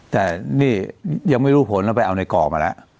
แต่นี่ยังไม่รู้ผลแล้วไปเอาในกรมาล่ะ